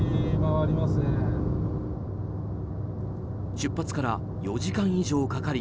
出発から４時間以上かかり